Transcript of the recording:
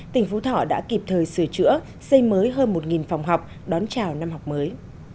tỉnh phú thọ đã kịp thời sửa chữa xây mới hơn một phòng học đón chào năm học mới